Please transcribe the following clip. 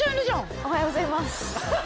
おはようございます。